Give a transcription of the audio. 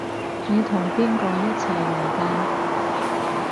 你同邊個一齊嚟㗎？